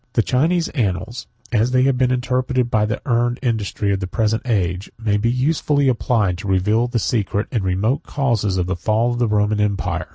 The Chinese annals, as they have been interpreted by the learned industry of the present age, may be usefully applied to reveal the secret and remote causes of the fall of the Roman empire.